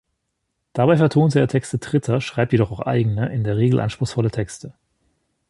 Dabei vertont er Texte Dritter, schreibt jedoch auch eigene, in der Regel anspruchsvolle Texte.